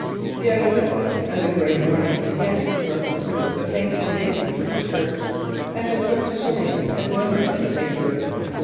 Yet a little, and the grey of the morning began to struggle through the painted casements of the church, and to put to shame the glimmer of the tapers.